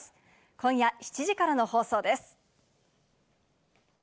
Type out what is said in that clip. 今夜７時からの放送です。